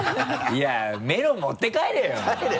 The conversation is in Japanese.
いやメロン持って帰れよ！